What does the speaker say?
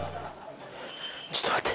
ちょっと待って。